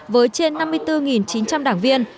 với trên năm mươi bốn chín trăm linh đảng viên